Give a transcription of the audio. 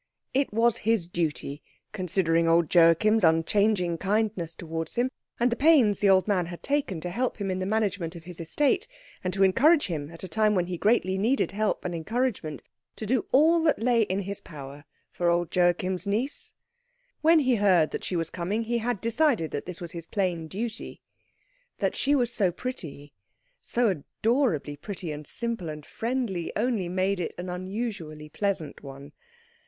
It was his duty, considering old Joachim's unchanging kindness towards him, and the pains the old man had taken to help him in the management of his estate, and to encourage him at a time when he greatly needed help and encouragement, to do all that lay in his power for old Joachim's niece. When he heard that she was coming he had decided that this was his plain duty: that she was so pretty, so adorably pretty and simple and friendly only made it an unusually pleasant one.